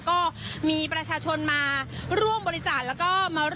ก็มีประชาชนมาร่วมบริจาคแล้วก็มาร่วม